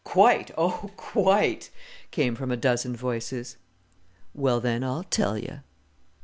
"Quite! Oh, quite!" came from a dozen voices. "Well, then, I'll tell you."